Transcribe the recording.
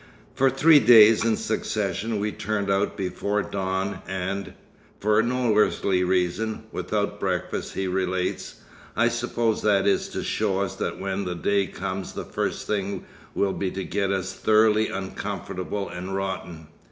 'For three days in succession we turned out before dawn and—for no earthly reason—without breakfast,' he relates. 'I suppose that is to show us that when the Day comes the first thing will be to get us thoroughly uncomfortable and rotten.